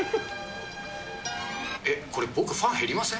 えっ、これ、僕、ファン減りません？